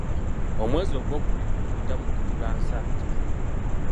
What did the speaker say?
Omwezi ogw'okubiri, gwe tuyita, mukutulansanja.